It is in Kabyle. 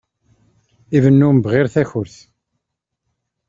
Ibennu mebɣir takurt.